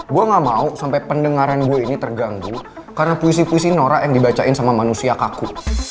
gue gak mau sampai pendengaran gue ini terganggu karena puisi puisi norak yang dibacain sama manusia kaku